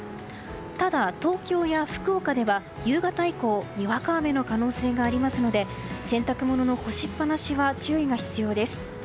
ただ、東京や福岡では夕方以降にわか雨の可能性がありますので洗濯物の干しっぱなしは注意が必要です。